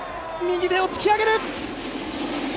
右手を突き上げる！